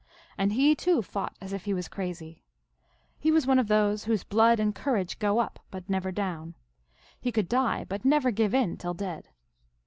And he, too, fought as if he was crazy. He was one of those whose blood and courage go up, but never down ; he could die, but never give in till dead.